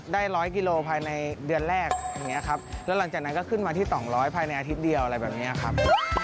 ร้อยกิโลภายในเดือนแรกอย่างนี้ครับแล้วหลังจากนั้นก็ขึ้นมาที่๒๐๐ภายในอาทิตย์เดียวอะไรแบบนี้ครับ